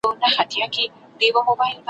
تر سهار کيدو يا ويښيدو وروسته سنت اعمال څه دي؟